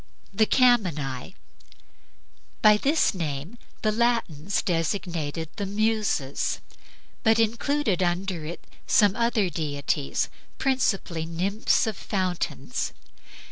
THE CAMENAE By this name the Latins designated the Muses, but included under it also some other deities, principally nymphs of fountains.